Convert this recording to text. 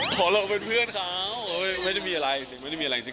ขอโลกเป็นเพื่อนคร้าวไม่ได้มีอะไรจริง